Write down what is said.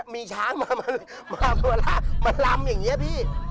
มีช้างมามาลำอย่างนี้พี่